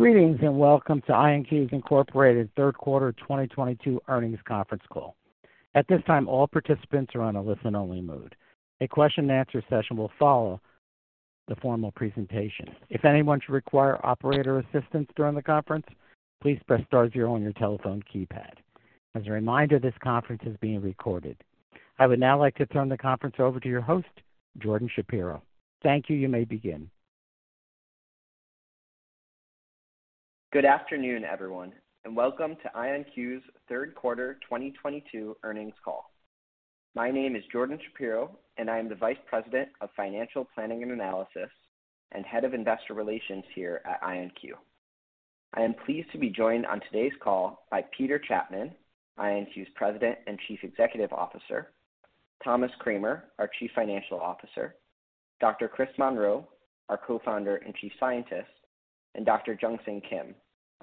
Greetings, and welcome to IonQ, Inc.'s third quarter 2022 earnings conference call. At this time, all participants are on a listen-only mode. A question-and-answer session will follow the formal presentation. If anyone should require operator assistance during the conference, please press star zero on your telephone keypad. As a reminder, this conference is being recorded. I would now like to turn the conference over to your host, Jordan Shapiro. Thank you. You may begin. Good afternoon, everyone, and welcome to IonQ's third quarter 2022 earnings call. My name is Jordan Shapiro, and I am the Vice President of Financial Planning and Analysis and Head of Investor Relations here at IonQ. I am pleased to be joined on today's call by Peter Chapman, IonQ's President and Chief Executive Officer, Thomas Kramer, our Chief Financial Officer, Dr. Chris Monroe, our Co-founder and Chief Scientist, and Dr. Jungsang Kim,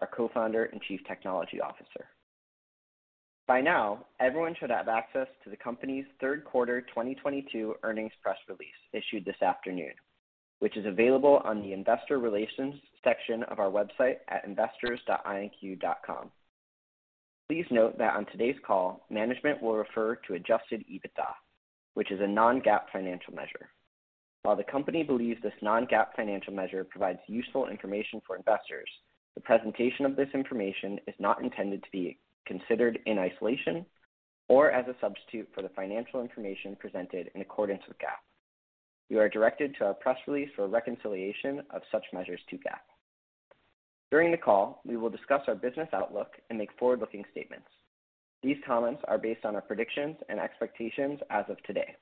our Co-founder and Chief Technology Officer. By now, everyone should have access to the company's third quarter 2022 earnings press release issued this afternoon, which is available on the investor relations section of our website at investors.ionq.com. Please note that on today's call, management will refer to adjusted EBITDA, which is a non-GAAP financial measure. While the company believes this non-GAAP financial measure provides useful information for investors, the presentation of this information is not intended to be considered in isolation or as a substitute for the financial information presented in accordance with GAAP. You are directed to our press release for a reconciliation of such measures to GAAP. During the call, we will discuss our business outlook and make forward-looking statements. These comments are based on our predictions and expectations as of today.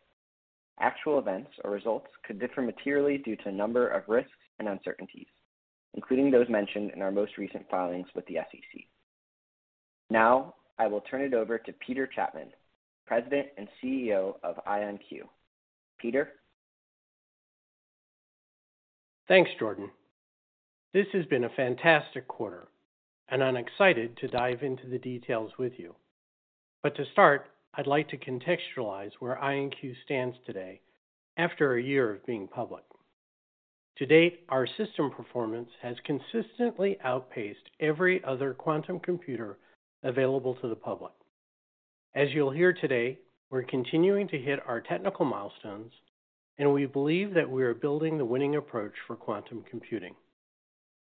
Actual events or results could differ materially due to a number of risks and uncertainties, including those mentioned in our most recent filings with the SEC. Now I will turn it over to Peter Chapman, President and CEO of IonQ. Peter? Thanks, Jordan. This has been a fantastic quarter, and I'm excited to dive into the details with you. To start, I'd like to contextualize where IonQ stands today after a year of being public. To date, our system performance has consistently outpaced every other quantum computer available to the public. As you'll hear today, we're continuing to hit our technical milestones, and we believe that we are building the winning approach for quantum computing.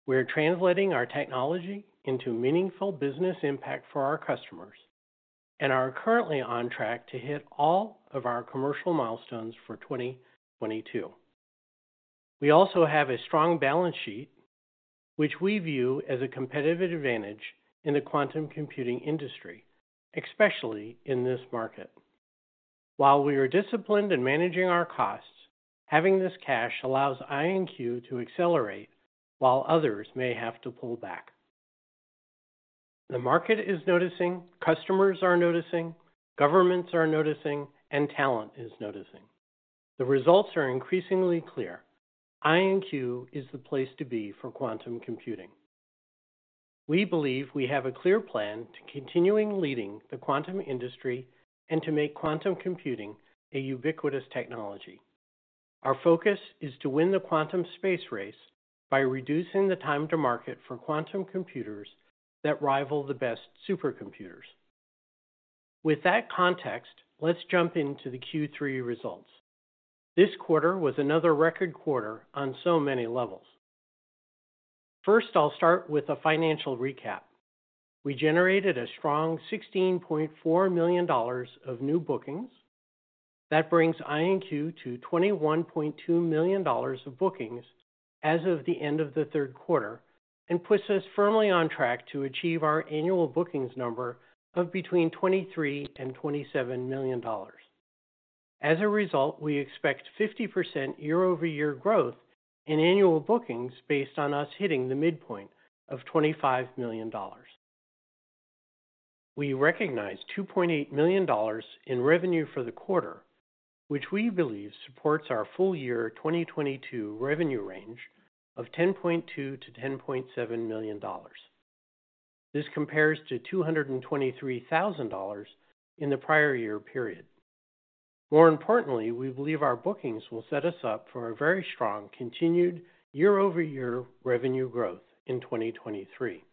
We are translating our technology into meaningful business impact for our customers and are currently on track to hit all of our commercial milestones for 2022. We also have a strong balance sheet, which we view as a competitive advantage in the quantum computing industry, especially in this market. While we are disciplined in managing our costs, having this cash allows IonQ to accelerate while others may have to pull back. The market is noticing, customers are noticing, governments are noticing, and talent is noticing. The results are increasingly clear. IonQ is the place to be for quantum computing. We believe we have a clear plan to continuing leading the quantum industry and to make quantum computing a ubiquitous technology. Our focus is to win the quantum space race by reducing the time to market for quantum computers that rival the best supercomputers. With that context, let's jump into the Q3 results. This quarter was another record quarter on so many levels. First, I'll start with a financial recap. We generated a strong $16.4 million of new bookings. That brings IonQ to $21.2 million of bookings as of the end of the third quarter and puts us firmly on track to achieve our annual bookings number of between $23 million and $27 million. As a result, we expect 50% year-over-year growth in annual bookings based on us hitting the midpoint of $25 million. We recognized $2.8 million in revenue for the quarter, which we believe supports our full year 2022 revenue range of $10.2-$10.7 million. This compares to $223,000 in the prior year period. More importantly, we believe our bookings will set us up for a very strong continued year-over-year revenue growth in 2023.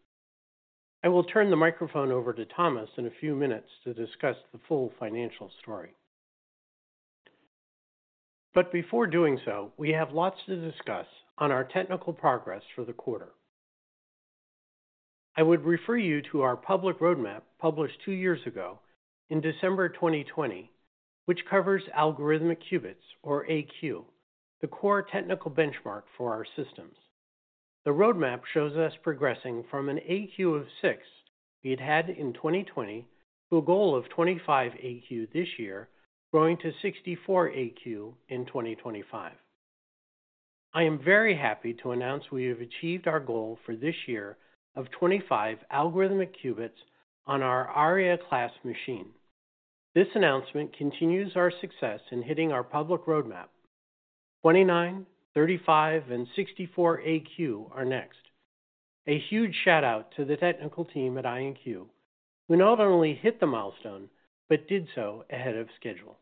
I will turn the microphone over to Thomas in a few minutes to discuss the full financial story. Before doing so, we have lots to discuss on our technical progress for the quarter. I would refer you to our public roadmap published two years ago in December 2020, which covers algorithmic qubits or AQ, the core technical benchmark for our systems. The roadmap shows us progressing from an AQ of six we'd had in 2020 to a goal of 25 AQ this year, growing to 64 AQ in 2025. I am very happy to announce we have achieved our goal for this year of 25 algorithmic qubits on our Aria class machine. This announcement continues our success in hitting our public roadmap. 29, 35, and 64 AQ are next. A huge shout out to the technical team at IonQ, who not only hit the milestone but did so ahead of schedule.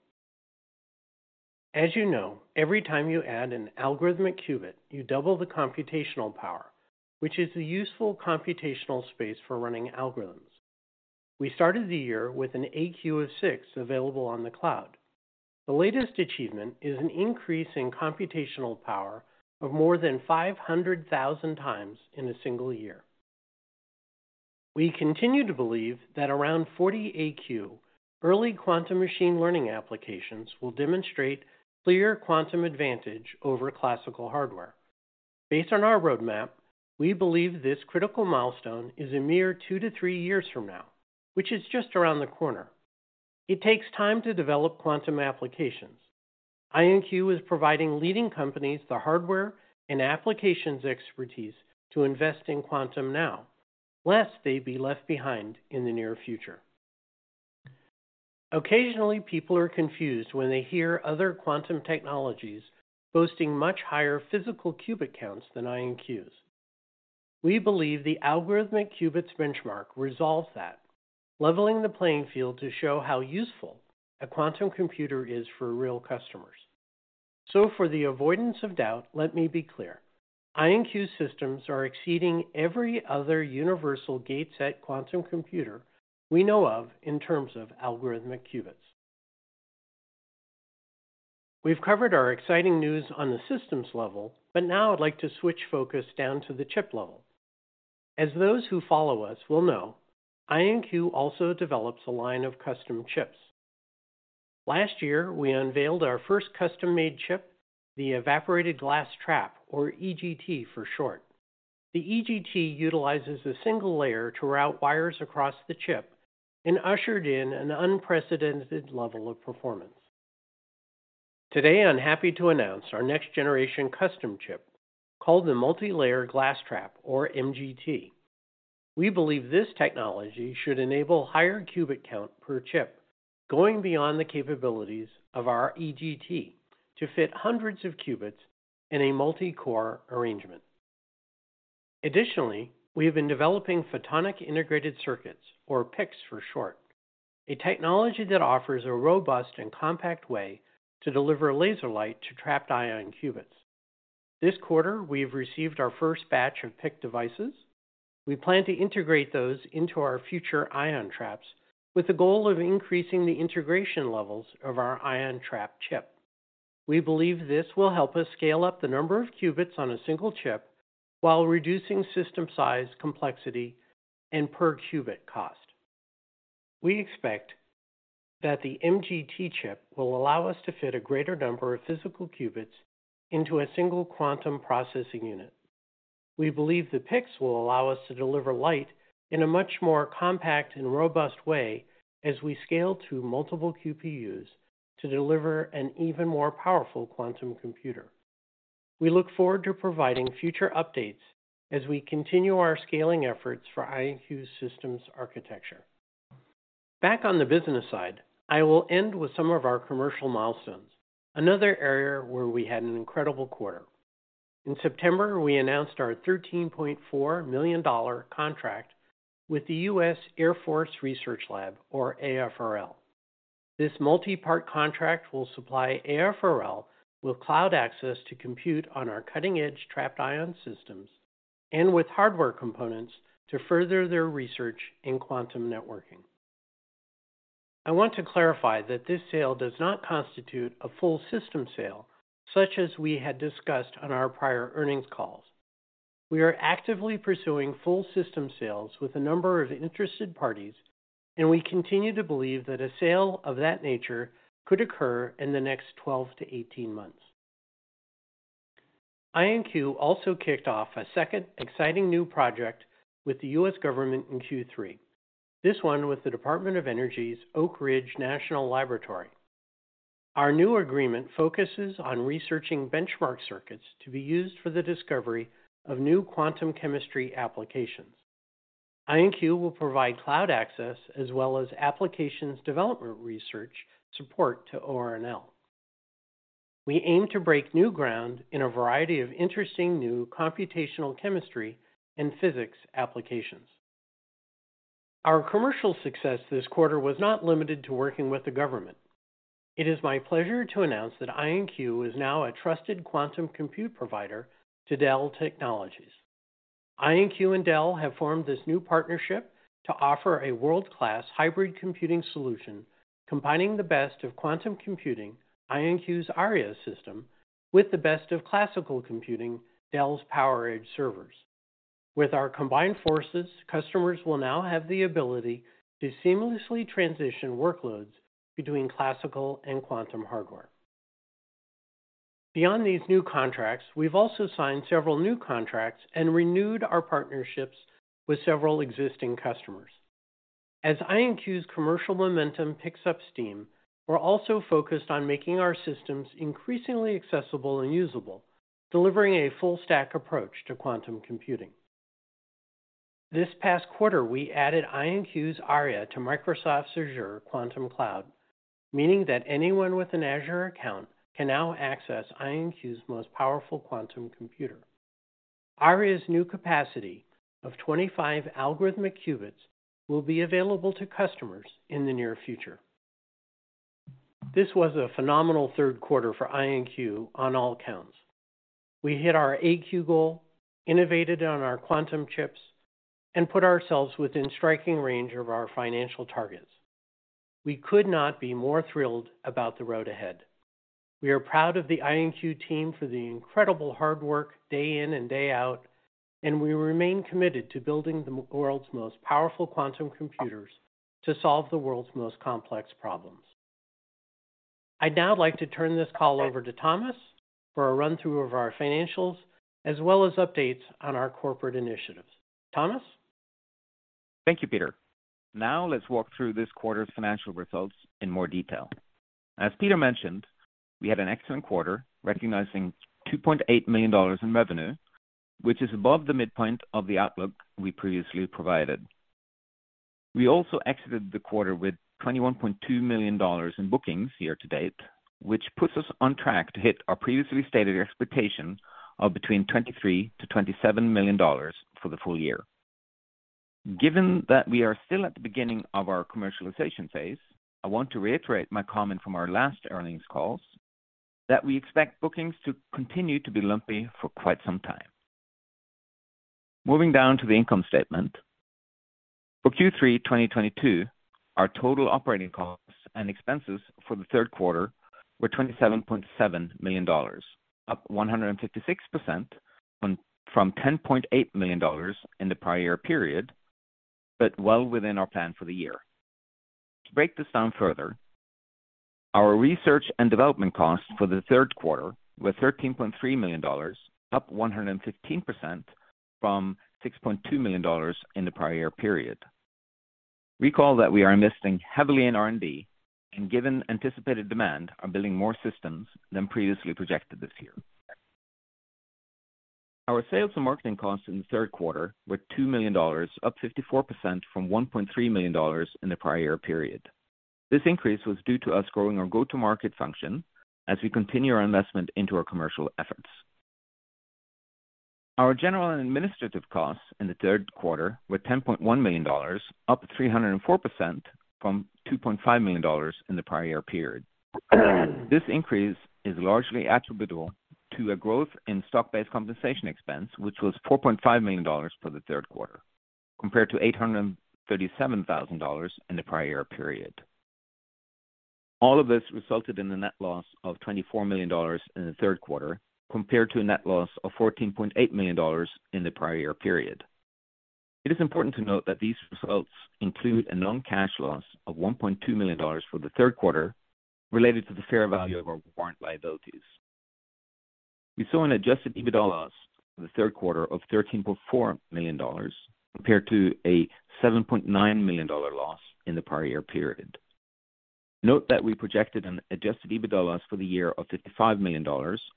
As you know, every time you add an algorithmic qubit, you double the computational power, which is the useful computational space for running algorithms. We started the year with an AQ of six available on the cloud. The latest achievement is an increase in computational power of more than 500,000 times in a single year. We continue to believe that around 40 AQ, early quantum machine learning applications will demonstrate clear quantum advantage over classical hardware. Based on our roadmap, we believe this critical milestone is a mere two-three years from now, which is just around the corner. It takes time to develop quantum applications. IonQ is providing leading companies the hardware and applications expertise to invest in quantum now, lest they be left behind in the near future. Occasionally, people are confused when they hear other quantum technologies boasting much higher physical qubit counts than IonQ's. We believe the algorithmic qubits benchmark resolves that, leveling the playing field to show how useful a quantum computer is for real customers. For the avoidance of doubt, let me be clear. IonQ systems are exceeding every other universal gate set quantum computer we know of in terms of algorithmic qubits. We've covered our exciting news on the systems level, but now I'd like to switch focus down to the chip level. As those who follow us will know, IonQ also develops a line of custom chips. Last year, we unveiled our first custom-made chip, the Evaporated Glass Trap, or EGT for short. The EGT utilizes a single layer to route wires across the chip and ushered in an unprecedented level of performance. Today, I'm happy to announce our next generation custom chip called the Multi-Layer Glass Trap, or MGT. We believe this technology should enable higher qubit count per chip, going beyond the capabilities of our EGT to fit hundreds of qubits in a multi-core arrangement. Additionally, we have been developing photonic integrated circuits, or PICs for short, a technology that offers a robust and compact way to deliver laser light to trapped ion qubits. This quarter, we have received our first batch of PIC devices. We plan to integrate those into our future ion traps with the goal of increasing the integration levels of our ion trap chip. We believe this will help us scale up the number of qubits on a single chip while reducing system size, complexity, and per qubit cost. We expect that the MGT chip will allow us to fit a greater number of physical qubits into a single quantum processing unit. We believe the PICs will allow us to deliver light in a much more compact and robust way as we scale to multiple QPUs to deliver an even more powerful quantum computer. We look forward to providing future updates as we continue our scaling efforts for IonQ's systems architecture. Back on the business side, I will end with some of our commercial milestones, another area where we had an incredible quarter. In September, we announced our $13.4 million contract with the U.S. Air Force Research Laboratory, or AFRL. This multi-part contract will supply AFRL with cloud access to compute on our cutting-edge trapped-ion systems and with hardware components to further their research in quantum networking. I want to clarify that this sale does not constitute a full system sale, such as we had discussed on our prior earnings calls. We are actively pursuing full system sales with a number of interested parties, and we continue to believe that a sale of that nature could occur in the next 12-18 months. IonQ also kicked off a second exciting new project with the U.S. government in Q3, this one with the Department of Energy's Oak Ridge National Laboratory. Our new agreement focuses on researching benchmark circuits to be used for the discovery of new quantum chemistry applications. IonQ will provide cloud access as well as applications development research support to ORNL. We aim to break new ground in a variety of interesting new computational chemistry and physics applications. Our commercial success this quarter was not limited to working with the government. It is my pleasure to announce that IonQ is now a trusted quantum compute provider to Dell Technologies. IonQ and Dell have formed this new partnership to offer a world-class hybrid computing solution, combining the best of quantum computing, IonQ's Aria system, with the best of classical computing, Dell's PowerEdge servers. With our combined forces, customers will now have the ability to seamlessly transition workloads between classical and quantum hardware. Beyond these new contracts, we've also signed several new contracts and renewed our partnerships with several existing customers. As IonQ's commercial momentum picks up steam, we're also focused on making our systems increasingly accessible and usable, delivering a full stack approach to quantum computing. This past quarter, we added IonQ's Aria to Microsoft's Azure Quantum, meaning that anyone with an Azure account can now access IonQ's most powerful quantum computer. Aria's new capacity of 25 algorithmic qubits will be available to customers in the near future. This was a phenomenal third quarter for IonQ on all accounts. We hit our AQ goal, innovated on our quantum chips, and put ourselves within striking range of our financial targets. We could not be more thrilled about the road ahead. We are proud of the IonQ team for the incredible hard work day in and day out, and we remain committed to building the world's most powerful quantum computers to solve the world's most complex problems. I'd now like to turn this call over to Thomas for a run-through of our financials as well as updates on our corporate initiatives. Thomas? Thank you, Peter. Now let's walk through this quarter's financial results in more detail. As Peter mentioned, we had an excellent quarter recognizing $2.8 million in revenue, which is above the midpoint of the outlook we previously provided. We also exited the quarter with $21.2 million in bookings year-to-date, which puts us on track to hit our previously stated expectation of between $23 million-$27 million for the full year. Given that we are still at the beginning of our commercialization phase, I want to reiterate my comment from our last earnings calls that we expect bookings to continue to be lumpy for quite some time. Moving down to the income statement. For Q3 2022, our total operating costs and expenses for the third quarter were $27.7 million, up 156% from $10.8 million in the prior period, but well within our plan for the year. To break this down further, our research and development costs for the third quarter were $13.3 million, up 115% from $6.2 million in the prior period. Recall that we are investing heavily in R&D and, given anticipated demand, are building more systems than previously projected this year. Our sales and marketing costs in the third quarter were $2 million, up 54% from $1.3 million in the prior period. This increase was due to us growing our go-to-market function as we continue our investment into our commercial efforts. Our general and administrative costs in the third quarter were $10.1 million, up 304% from $2.5 million in the prior period. This increase is largely attributable to a growth in stock-based compensation expense, which was $4.5 million for the third quarter compared to $837,000 in the prior period. All of this resulted in a net loss of $24 million in the third quarter compared to a net loss of $14.8 million in the prior period. It is important to note that these results include a non-cash loss of $1.2 million for the third quarter related to the fair value of our warrant liabilities. We saw an adjusted EBITDA loss for the third quarter of $13.4 million compared to a $7.9 million loss in the prior period. Note that we projected an adjusted EBITDA loss for the year of $55 million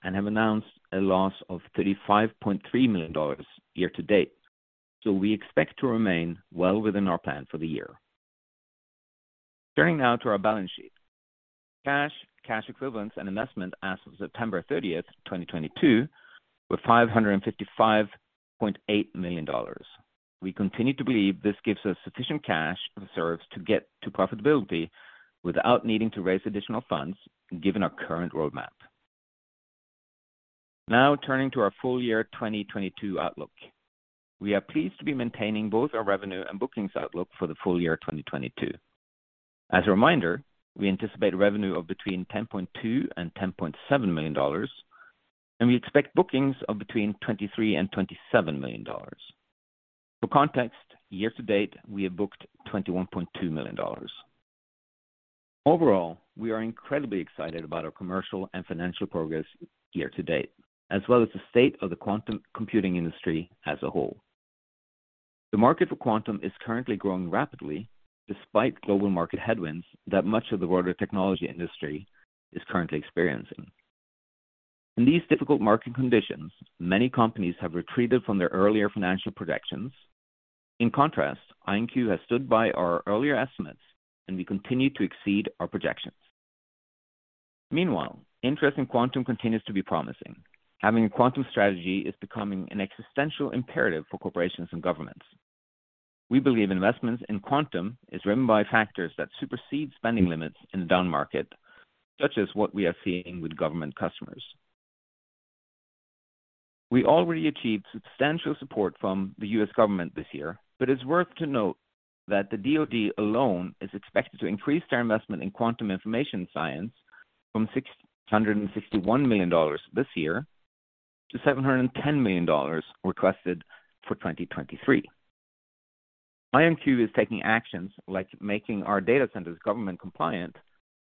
and have announced a loss of $35.3 million year-to-date, so we expect to remain well within our plan for the year. Turning now to our balance sheet. Cash, cash equivalents, and investments as of September 30, 2022 were $555.8 million. We continue to believe this gives us sufficient cash reserves to get to profitability without needing to raise additional funds given our current roadmap. Now turning to our full year 2022 outlook. We are pleased to be maintaining both our revenue and bookings outlook for the full year 2022. As a reminder, we anticipate revenue of between $10.2 million and $10.7 million, and we expect bookings of between $23 million and $27 million. For context, year-to-date, we have booked $21.2 million. Overall, we are incredibly excited about our commercial and financial progress year-to-date as well as the state of the quantum computing industry as a whole. The market for quantum is currently growing rapidly despite global market headwinds that much of the broader technology industry is currently experiencing. In these difficult market conditions, many companies have retreated from their earlier financial projections. In contrast, IonQ has stood by our earlier estimates, and we continue to exceed our projections. Meanwhile, interest in quantum continues to be promising. Having a quantum strategy is becoming an existential imperative for corporations and governments. We believe investments in quantum is driven by factors that supersede spending limits in a down market, such as what we are seeing with government customers. We already achieved substantial support from the U.S. government this year, but it's worth to note that the DoD alone is expected to increase their investment in quantum information science from $661 million this year to $710 million requested for 2023. IonQ is taking actions like making our data centers government compliant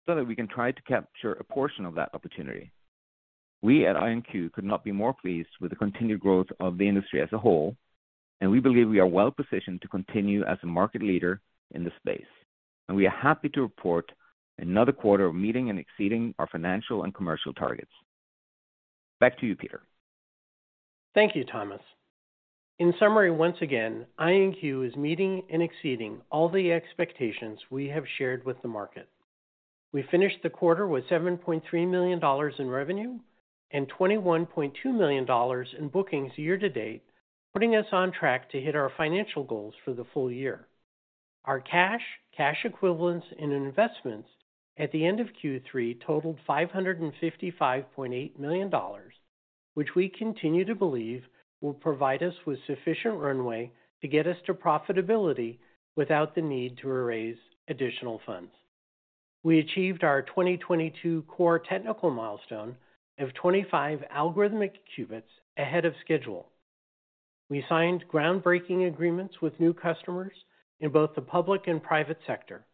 so that we can try to capture a portion of that opportunity. We at IonQ could not be more pleased with the continued growth of the industry as a whole, and we believe we are well positioned to continue as a market leader in this space, and we are happy to report another quarter of meeting and exceeding our financial and commercial targets. Back to you, Peter. Thank you, Thomas. In summary, once again, IonQ is meeting and exceeding all the expectations we have shared with the market. We finished the quarter with $7.3 million in revenue and $21.2 million in bookings year to date, putting us on track to hit our financial goals for the full year. Our cash equivalents, and investments at the end of Q3 totaled $555.8 million, which we continue to believe will provide us with sufficient runway to get us to profitability without the need to raise additional funds. We achieved our 2022 core technical milestone of 25 algorithmic qubits ahead of schedule. We signed groundbreaking agreements with new customers in both the public and private sector.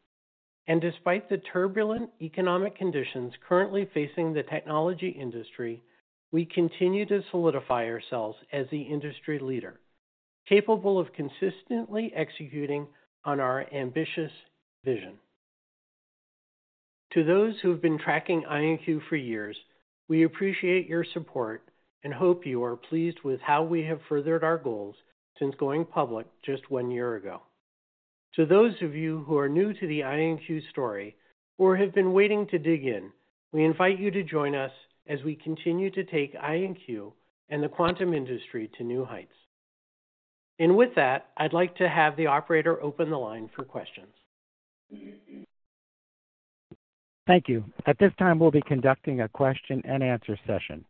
Despite the turbulent economic conditions currently facing the technology industry, we continue to solidify ourselves as the industry leader, capable of consistently executing on our ambitious vision. To those who have been tracking IonQ for years, we appreciate your support and hope you are pleased with how we have furthered our goals since going public just one year ago. To those of you who are new to the IonQ story or have been waiting to dig in, we invite you to join us as we continue to take IonQ and the quantum industry to new heights. With that, I'd like to have the operator open the line for questions. Thank you. At this time, we'll be conducting a question and answer session.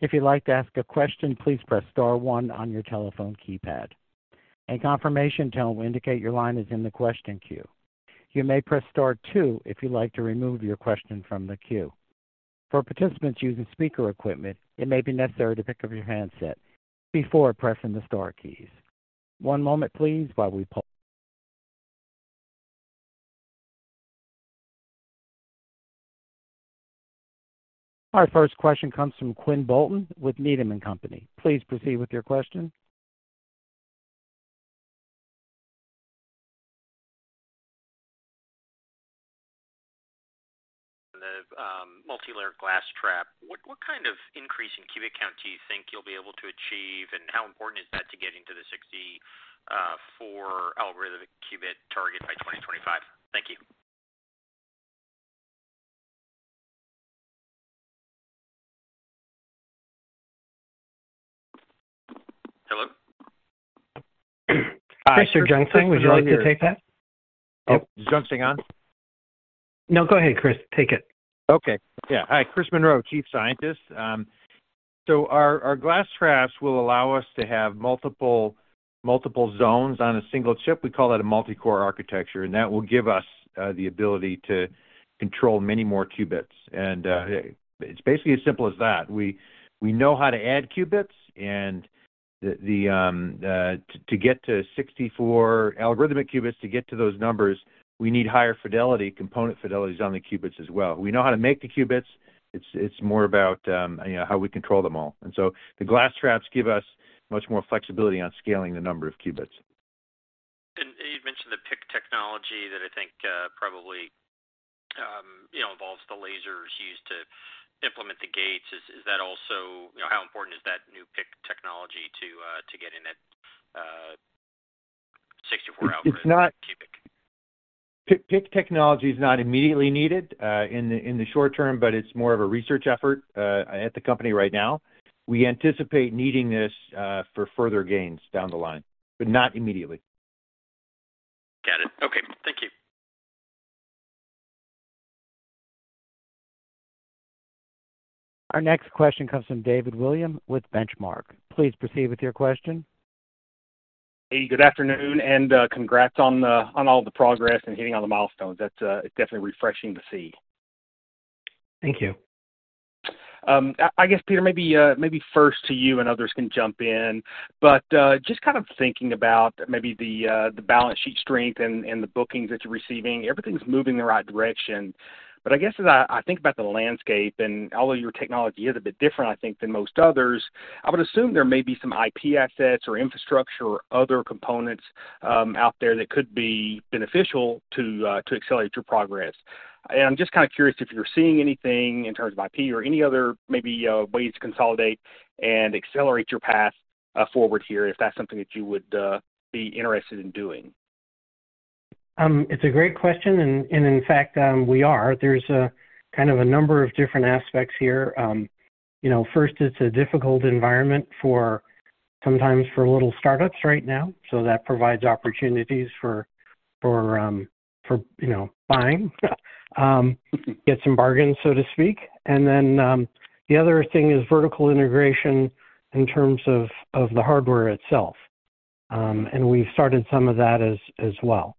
If you'd like to ask a question, please press star one on your telephone keypad. A confirmation tone will indicate your line is in the question queue. You may press star two if you'd like to remove your question from the queue. For participants using speaker equipment, it may be necessary to pick up your handset before pressing the star keys. One moment please while we pull. Our first question comes from Quinn Bolton with Needham & Company. Please proceed with your question. The Multi-Layer Glass Trap. What kind of increase in qubit count do you think you'll be able to achieve, and how important is that to getting to the 64 Algorithmic Qubit target by 2025? Thank you. Hello? Hi. Chris or Jung Sang, would you like to take that? Oh, Jungsang on? No, go ahead, Chris. Take it. Okay. Yeah. Hi. Chris Monroe, Chief Scientist. Our glass traps will allow us to have multiple zones on a single chip. We call that a multi-core architecture, and that will give us the ability to control many more qubits. It's basically as simple as that. We know how to add qubits to get to 64 algorithmic qubits. To get to those numbers, we need higher fidelity, component fidelities on the qubits as well. We know how to make the qubits. It's more about, you know, how we control them all. The glass traps give us much more flexibility on scaling the number of qubits. You've mentioned the PIC technology that I think, probably, you know, involves the lasers used to implement the gates. Is that also you know, how important is that new PIC technology to getting that 64 algorithm- It's not- -qubit. PIC technology is not immediately needed in the short term, but it's more of a research effort at the company right now. We anticipate needing this for further gains down the line, but not immediately. Got it. Okay. Thank you. Our next question comes from David Williams with Benchmark. Please proceed with your question. Hey, good afternoon, and congrats on all the progress and hitting all the milestones. That's definitely refreshing to see. Thank you. I guess, Peter, maybe first to you and others can jump in. Just kind of thinking about maybe the balance sheet strength and the bookings that you're receiving, everything's moving in the right direction. I guess as I think about the landscape, and although your technology is a bit different, I think, than most others, I would assume there may be some IP assets or infrastructure or other components out there that could be beneficial to accelerate your progress. I'm just kinda curious if you're seeing anything in terms of IP or any other maybe ways to consolidate and accelerate your path forward here, if that's something that you would be interested in doing. It's a great question, and in fact, we are. There's kind of a number of different aspects here. You know, first it's a difficult environment for sometimes for little startups right now, so that provides opportunities for you know, buying. Get some bargains, so to speak. The other thing is vertical integration in terms of the hardware itself. We've started some of that as well.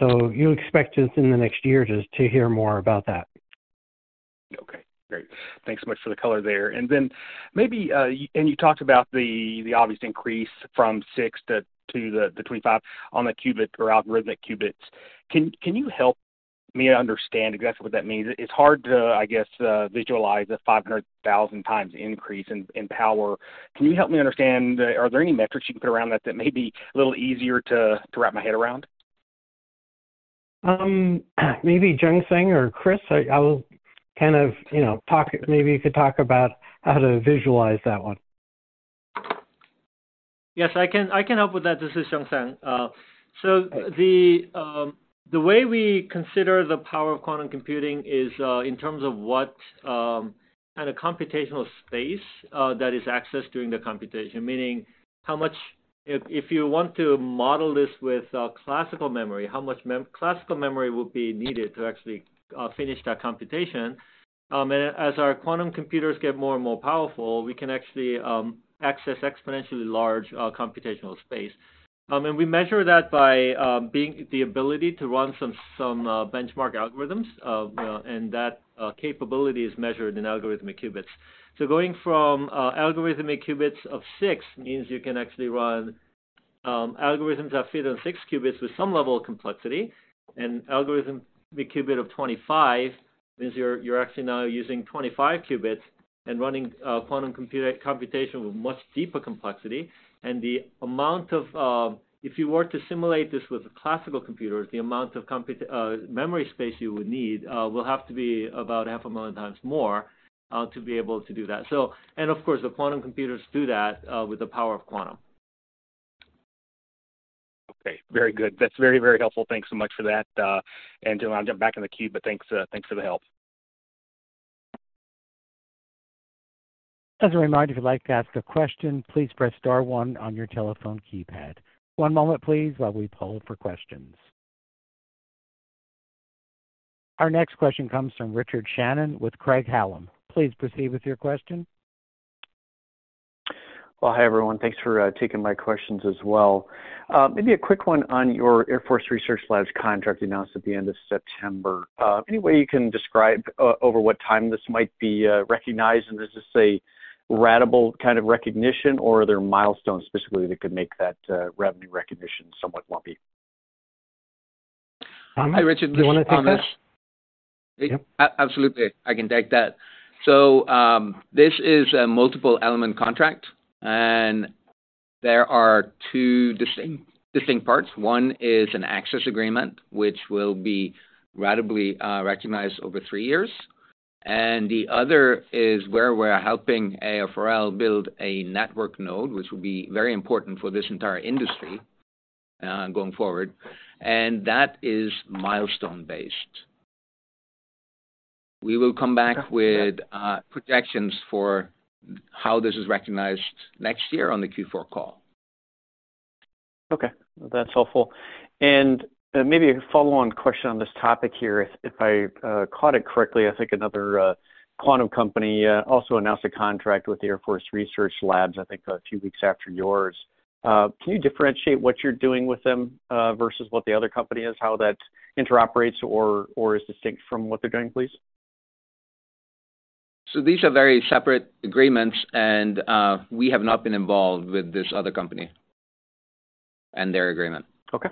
You expect us in the next year to hear more about that. Okay. Great. Thanks so much for the color there. Maybe you talked about the obvious increase from six to the 25 on the qubit or Algorithmic Qubits. Can you help me understand exactly what that means? It's hard to, I guess, visualize a 500,000 times increase in power. Can you help me understand? Are there any metrics you can put around that may be a little easier to wrap my head around? Maybe Jungsang or Chris. Maybe you could talk about how to visualize that one. Yes, I can help with that. This is Jungsang Kim. The way we consider the power of quantum computing is in terms of what kind of computational space that is accessed during the computation. Meaning how much. If you want to model this with classical memory, how much classical memory would be needed to actually finish that computation. As our quantum computers get more and more powerful, we can actually access exponentially large computational space. We measure that by being the ability to run some benchmark algorithms, you know, and that capability is measured in algorithmic qubits. Going from algorithmic qubits of six means you can actually run algorithms that fit on six qubits with some level of complexity. An algorithmic qubit of 25 means you're actually now using 25 qubits and running quantum computation with much deeper complexity. If you were to simulate this with classical computers, the amount of memory space you would need will have to be about 500,000 times more to be able to do that. Of course, the quantum computers do that with the power of quantum. Okay. Very good. That's very, very helpful. Thanks so much for that. I'll jump back in the queue, but thanks for the help. As a reminder, if you'd like to ask a question, please press star one on your telephone keypad. One moment, please, while we poll for questions. Our next question comes from Richard Shannon with Craig-Hallum. Please proceed with your question. Well, hi, everyone. Thanks for taking my questions as well. Maybe a quick one on your Air Force Research Laboratory contract you announced at the end of September. Any way you can describe over what time this might be recognized? And is this a ratable kind of recognition, or are there milestones specifically that could make that revenue recognition somewhat lumpy? Hi, Richard. This is Thomas. Do you wanna take this? Yep. Absolutely. I can take that. This is a multiple element contract, and there are two distinct parts. One is an access agreement, which will be ratably recognized over three years, and the other is where we're helping AFRL build a network node, which will be very important for this entire industry going forward, and that is milestone based. We will come back with projections for how this is recognized next year on the Q4 call. Okay. That's helpful. Maybe a follow-on question on this topic here. If I caught it correctly, I think another quantum company also announced a contract with the Air Force Research Laboratory, I think a few weeks after yours. Can you differentiate what you're doing with them versus what the other company is, how that interoperates or is distinct from what they're doing, please? These are very separate agreements and we have not been involved with this other company and their agreement. Okay.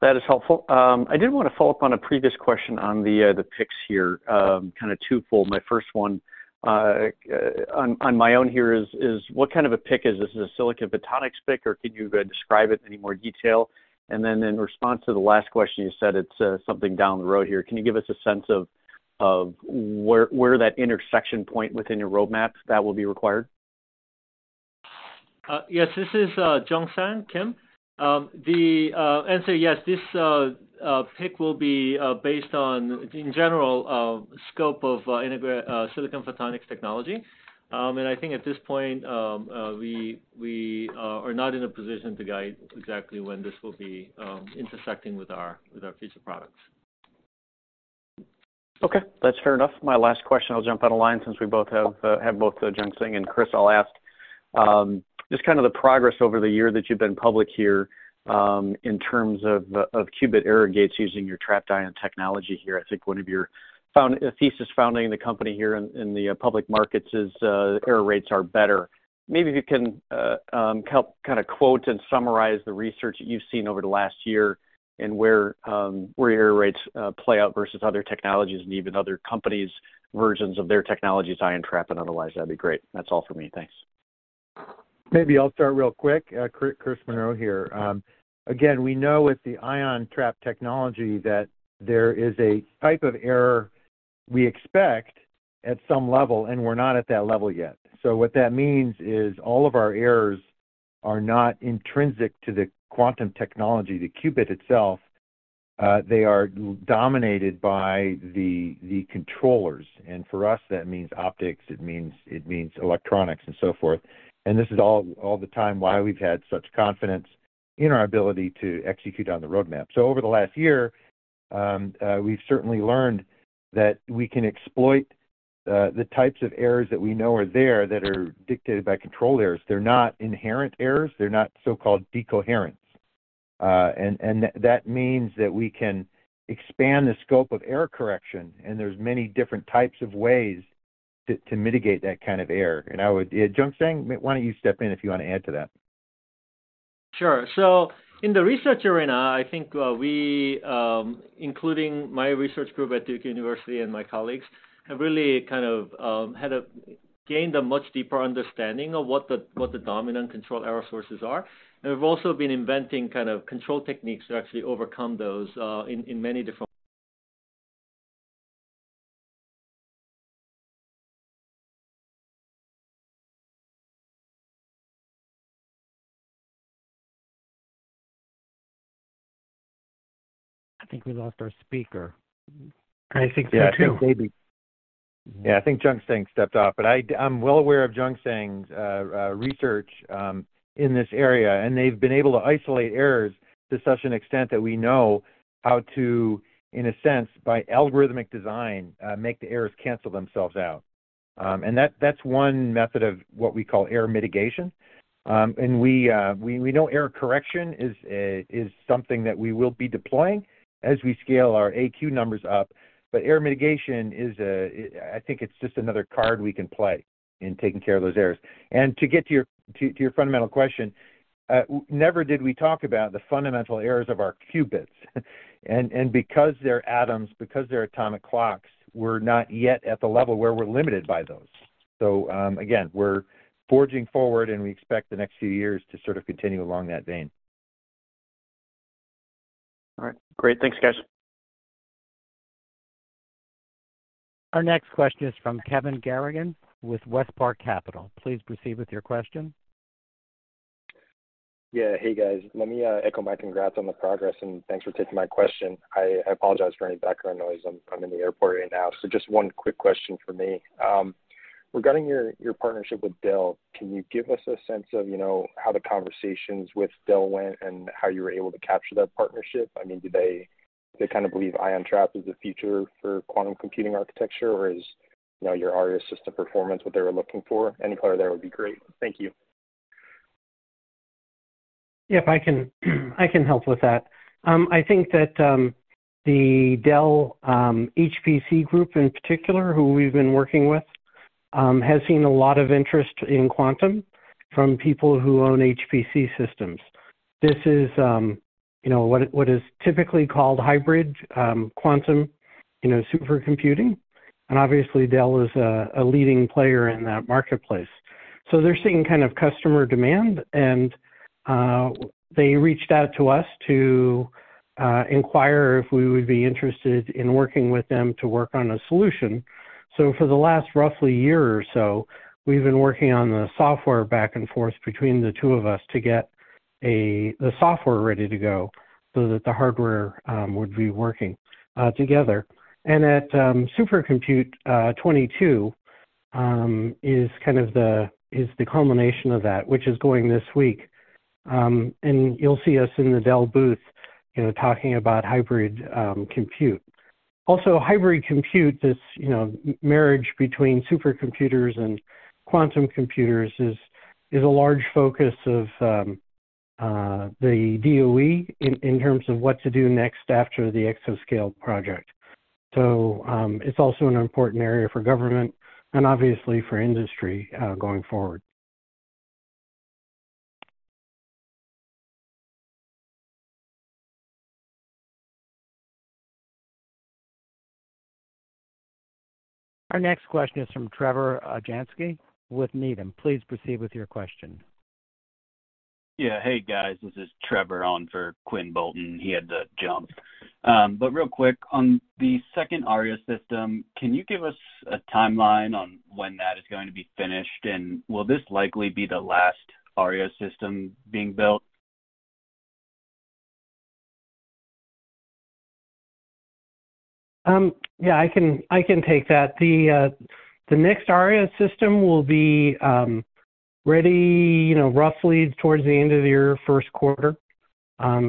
That is helpful. I did wanna follow up on a previous question on the picks here. Kinda twofold. My first one on my own here is what kind of a pick is this? Is it a silicon photonics pick, or could you describe it in any more detail? Then in response to the last question, you said it's something down the road here. Can you give us a sense of where that intersection point within your roadmap that will be required? Yes. This is Jungsang Kim. The answer yes, this path will be based on, in general, scope of silicon photonics technology. I think at this point we are not in a position to guide exactly when this will be intersecting with our future products. Okay. That's fair enough. My last question, I'll jump out of line since we have both Jungsang Kim and Chris Monroe, I'll ask. Just kind of the progress over the year that you've been public here, in terms of qubit error rates using your trapped ion technology here. I think one of your founding thesis for founding the company here in the public markets is error rates are better. Maybe if you can help kind of quote and summarize the research that you've seen over the last year and where error rates play out versus other technologies and even other companies' versions of their technologies, ion trap and otherwise, that'd be great? That's all for me. Thanks. Maybe I'll start real quick. Chris Monroe here. Again, we know with the ion trap technology that there is a type of error we expect at some level, and we're not at that level yet. What that means is all of our errors are not intrinsic to the quantum technology, the qubit itself. They are dominated by the controllers. For us, that means optics. It means electronics and so forth. This is all the time why we've had such confidence in our ability to execute on the roadmap. Over the last year, we've certainly learned that we can exploit the types of errors that we know are there that are dictated by control errors. They're not inherent errors. They're not so-called decoherence. That means that we can expand the scope of error correction, and there's many different types of ways to mitigate that kind of error. Jungsang, why don't you step in if you wanna add to that? Sure. In the research arena, I think, we, including my research group at Duke University and my colleagues, have really kind of, gained a much deeper understanding of what the dominant control error sources are. We've also been inventing kind of control techniques to actually overcome those, in many different- I think we lost our speaker. I think so too. I think Jungsang stepped off. I'm well aware of Jungsang research in this area, and they've been able to isolate errors to such an extent that we know how to, in a sense, by algorithmic design, make the errors cancel themselves out. That's one method of what we call error mitigation. We know error correction is something that we will be deploying as we scale our AQ numbers up. Error mitigation is, I think, just another card we can play in taking care of those errors. To get to your fundamental question, never did we talk about the fundamental errors of our qubits. because they're atoms, because they're atomic clocks, we're not yet at the level where we're limited by those. again, we're forging forward, and we expect the next few years to sort of continue along that vein. All right. Great. Thanks, guys. Our next question is from Kevin Garrigan with WestPark Capital. Please proceed with your question. Yeah. Hey, guys. Let me echo my congrats on the progress, and thanks for taking my question. I apologize for any background noise. I'm in the airport right now. So just one quick question from me. Regarding your partnership with Dell, can you give us a sense of, you know, how the conversations with Dell went and how you were able to capture that partnership? I mean, do they kind of believe ion trap is the future for quantum computing architecture, or is, you know, your Aria system performance what they were looking for? Any color there would be great. Thank you. I can help with that. I think that the Dell HPC group in particular, who we've been working with, has seen a lot of interest in quantum from people who own HPC systems. This is, you know, what is typically called hybrid quantum supercomputing, and obviously Dell is a leading player in that marketplace. They're seeing kind of customer demand, and they reached out to us to inquire if we would be interested in working with them to work on a solution. For the last roughly year or so, we've been working on the software back and forth between the two of us to get the software ready to go so that the hardware would be working together. At SC22, is the culmination of that, which is going this week. You'll see us in the Dell booth, you know, talking about hybrid compute. Also, hybrid compute, this, you know, marriage between supercomputers and quantum computers is a large focus of the DOE in terms of what to do next after the Exascale project. It's also an important area for government and obviously for industry going forward. Our next question is from Trevor Janoskie with Needham. Please proceed with your question. Yeah. Hey, guys. This is Trevor on for Quinn Bolton. He had to jump. Real quick, on the second Aria system, can you give us a timeline on when that is going to be finished? Will this likely be the last Aria system being built? Yeah, I can take that. The next Aria system will be ready, you know, roughly towards the end of the year. First quarter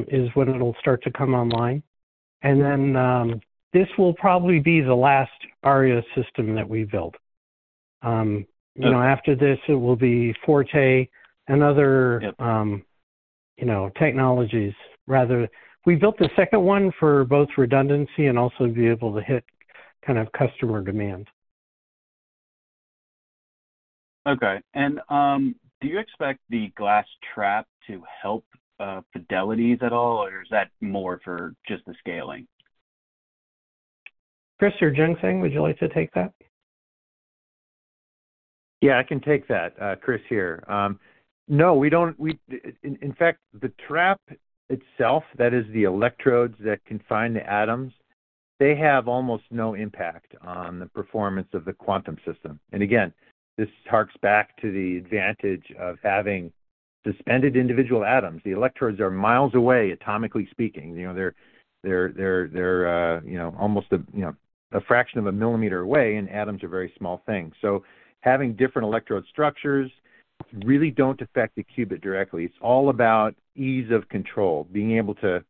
is when it'll start to come online. This will probably be the last Aria system that we build. You know, after this, it will be Forte and other- Yep. you know, technologies rather. We built the second one for both redundancy and also to be able to hit kind of customer demand. Okay. Do you expect the glass trap to help fidelities at all, or is that more for just the scaling? Chris or Jungsang, would you like to take that? Yeah, I can take that. Chris here. No, we don't. In fact, the trap itself, that is the electrodes that confine the atoms, they have almost no impact on the performance of the quantum system. Again, this harks back to the advantage of having suspended individual atoms. The electrodes are miles away, atomically speaking. You know, they're you know, almost you know, a fraction of a millimeter away, and atoms are very small things. Having different electrode structures really don't affect the qubit directly. It's all about ease of control, being able to.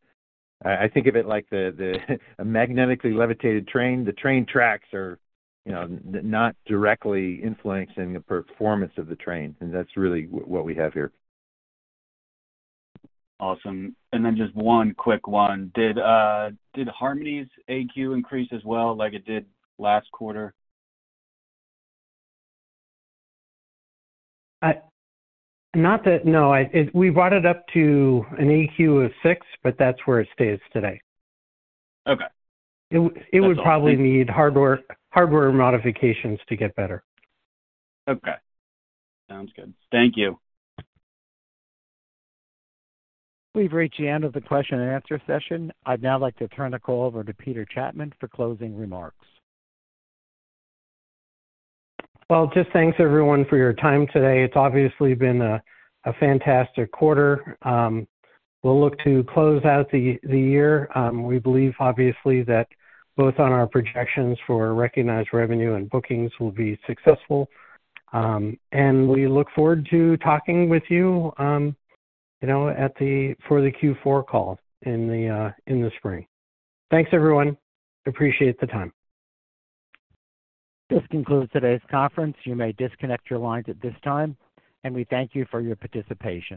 I think of it like a magnetically levitated train. The train tracks are, you know, not directly influencing the performance of the train, and that's really what we have here. Awesome. Then just one quick one. Did Harmony's AQ increase as well like it did last quarter? We brought it up to an AQ of six, but that's where it stays today. Okay. It w- That's all. Thank you. It would probably need hardware modifications to get better. Okay. Sounds good. Thank you. We've reached the end of the question and answer session. I'd now like to turn the call over to Peter Chapman for closing remarks. Well, just thanks everyone for your time today. It's obviously been a fantastic quarter. We'll look to close out the year. We believe obviously that both on our projections for recognized revenue and bookings will be successful. We look forward to talking with you know, for the Q4 call in the spring. Thanks, everyone. Appreciate the time. This concludes today's conference. You may disconnect your lines at this time, and we thank you for your participation.